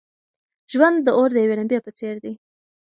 ژوند د اور د یوې لمبې په څېر دی.